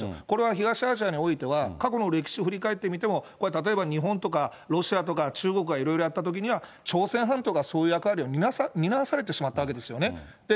これは東アジアにおいては、過去の歴史を振り返ってみても、これ、例えば日本とかロシアとか中国がいろいろやったときには、朝鮮半島がそういう役割を担わされてしまったわけですよね。